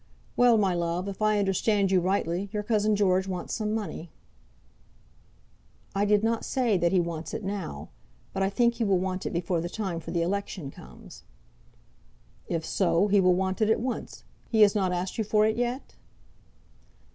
"Well; my love, if I understood you rightly, your cousin George wants some money." "I did not say that he wants it now; but I think he will want it before the time for the election comes." "If so, he will want it at once. He has not asked you for it yet?"